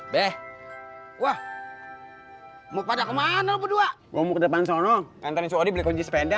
deh wah mau pada kemana berdua mau depan sono antar suara beli kunci sepeda